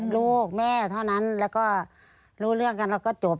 ลูกแม่เท่านั้นแล้วก็รู้เรื่องกันแล้วก็จบ